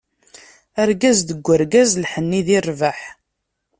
Argaz deg urgaz, lḥenni di rrbeḥ.